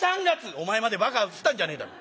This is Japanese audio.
「お前までバカがうつったんじゃねえだろうな。